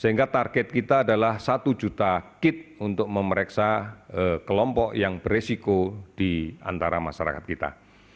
sehingga target kita adalah satu juta kit untuk memeriksa kelompok yang beresiko di antara masyarakat kita